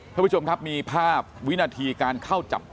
ท่านผู้ชมครับมีภาพวินาทีการเข้าจับ